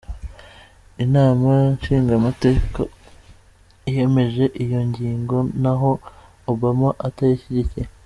Inama nshingamateka yemeje iyo ngingo n’aho Obama atayishigikiye.